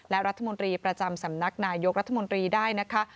และรัฐมนตรีประจำสำนักนายกรัฐมนตรีได้นะคะ